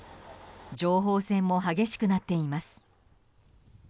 情報戦も激しくなっています。